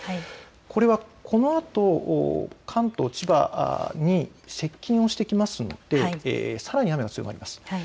これはこのあと、関東、千葉に接近してきますので、さらに雨が強まります。